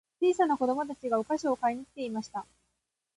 小さな子供たちがお菓子を買いに来ていました。